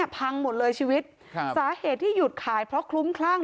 พังหมดเลยชีวิตสาเหตุที่หยุดขายเพราะคลุ้มคลั่ง